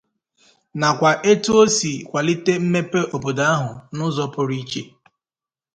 nakwa etu o si akwàlite mmepe obodo ahụ n'ụzọ pụrụ iche.